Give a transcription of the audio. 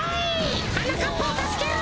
はなかっぱをたすけろ！